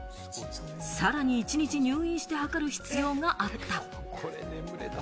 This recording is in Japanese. さらに一日入院して測る必要があった。